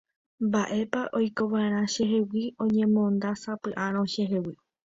Mba'épa oikova'erã chehegui oñemondasapy'árõ chehegui